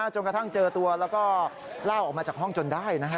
จนกระทั่งเจอตัวแล้วก็ลากออกมาจากห้องจนได้นะฮะ